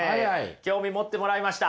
興味持ってもらいました。